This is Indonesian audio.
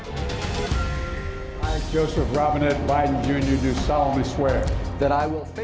pemirsa kri semarang